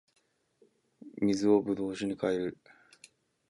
水を葡萄酒に変える